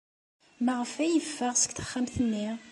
Maɣef ay yeffeɣ seg texxamt-nni?